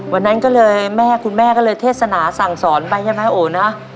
วันนั้นคุณแม่ก็เลยเทศนาสั่งสอนไปใช่ไหมโอ๋นะ